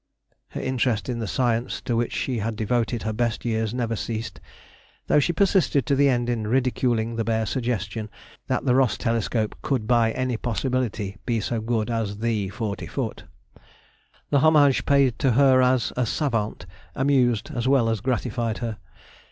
her interest in the science to which she had devoted her best years never ceased, though she persisted to the end in ridiculing the bare suggestion that the Rosse telescope could by any possibility be so good as the forty foot. The homage paid to her as a savante amused as well as gratified her.